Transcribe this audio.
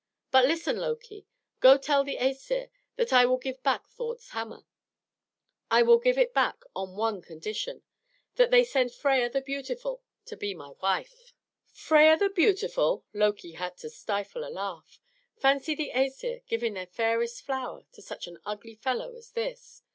But listen, Loki. Go tell the Æsir that I will give back Thor's hammer. I will give it back upon one condition that they send Freia the beautiful to be my wife." "Freia the beautiful!" Loki had to stifle a laugh. Fancy the Æsir giving their fairest flower to such an ugly fellow as this!